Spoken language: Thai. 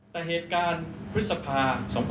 แต่เหตุการณ์พฤษภา๒๕๖๒